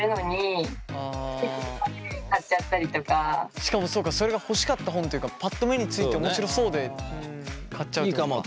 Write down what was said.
しかもそうかそれが欲しかった本というかパッと目について面白そうで買っちゃうってこと。